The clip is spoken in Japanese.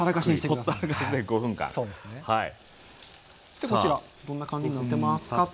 でこちらどんな感じになってますかと。